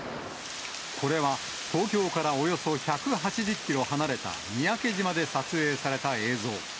これは、東京からおよそ１８０キロ離れた三宅島で撮影された映像。